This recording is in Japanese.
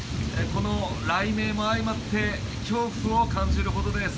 この雷鳴も相まって恐怖を感じるほどです。